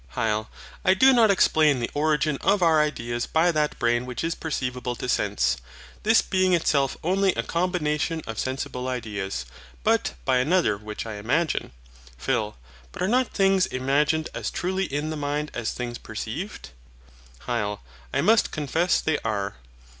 HYL. I do not explain the origin of our ideas by that brain which is perceivable to sense this being itself only a combination of sensible ideas but by another which I imagine. PHIL. But are not things imagined as truly IN THE MIND as things perceived? HYL. I must confess they are.